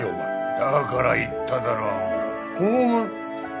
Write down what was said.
だから言っただろ。